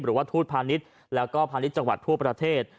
หรือว่าทูตพาณิชย์แล้วก็พาณิชย์จังหวัดทั่วประเทศ